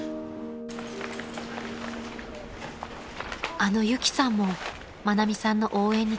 ［あのユキさんも愛美さんの応援に来ました］